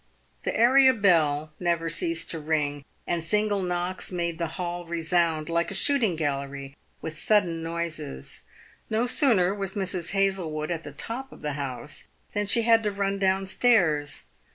The area bell never ceased to ring, and single knocks made the hall resound, like a shooting gallery, with sudden noises. No sooner was Mrs. Hazlewood at the top of the house than she had to run down stairs.